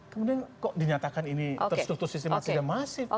kemudian kok dinyatakan ini terstruktur sistematis yang masif